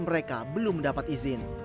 mereka belum mendapat izin